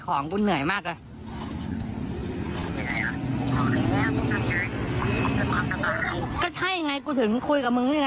ลองฟังดูฮะ